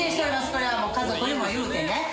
これはもう家族にも言うてね。